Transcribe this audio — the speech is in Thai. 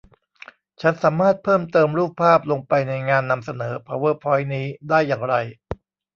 ฉันสามารถเพิ่มเติมรูปภาพลงไปในงานนำเสนอพาวเวอร์พ้อยนี้ได้อย่างไร